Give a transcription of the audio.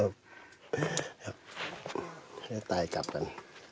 ยากตายกลับกัน